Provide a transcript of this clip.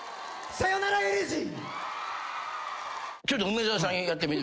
『さよならエレジー』！